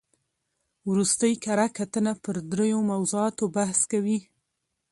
ورستۍ کره کتنه پر درو موضوعاتو بحث کوي.